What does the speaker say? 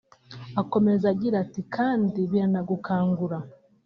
Akomeza agira ati “ Kandi biranagukangura